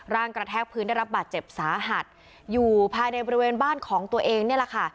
กระแทกพื้นได้รับบาดเจ็บสาหัสอยู่ภายในบริเวณบ้านของตัวเองนี่แหละค่ะ